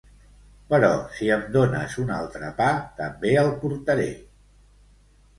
Però si em dones un altre pa també el portaré.